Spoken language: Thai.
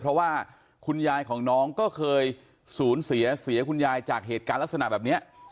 เพราะว่าคุณยายของน้องก็เคยสูญเสียเสียคุณยายจากเหตุการณ์ลักษณะแบบนี้